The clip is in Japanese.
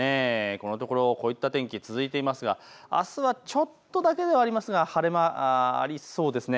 ここのところこういった天気が続いていますがあすはちょっとだけではありますが晴れ間がありそうです。